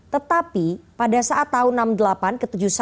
tetapi pada saat tahun enam puluh delapan ke tujuh puluh satu